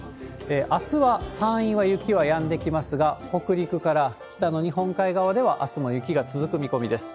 あすは山陰は雪はやんできますが、北陸から北の日本海側では、あすも雪が続く見込みです。